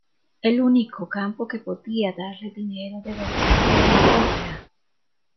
El único campo que podía darle dinero de verdad era la ópera.